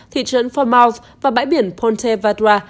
thị trấn fortmouth và bãi biển ponte vardua